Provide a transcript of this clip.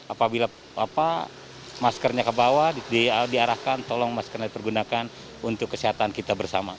apabila maskernya ke bawah diarahkan tolong maskernya dipergunakan untuk kesehatan kita bersama